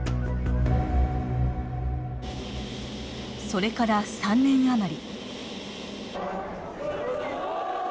それから３年余り。